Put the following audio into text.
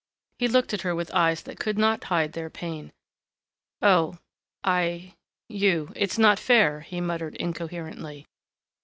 He looked at her with eyes that could not hide their pain. "Oh, I you it's not fair " he muttered incoherently.